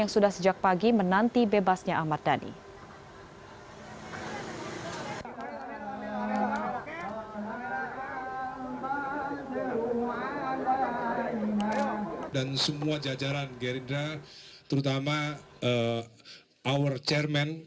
sudah sejak pagi menanti bebasnya ahmad dhani dan semua jajaran gerita terutama our chairman